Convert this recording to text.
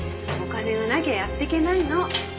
お金がなきゃやってけないの。